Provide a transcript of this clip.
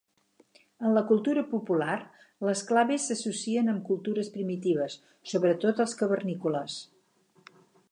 En la cultura popular, les claves s'associen amb cultures primitives, sobretot els cavernícoles.